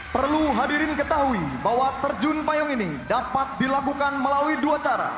perlu hadirin ketahui bahwa terjun payung ini dapat dilakukan melalui dua cara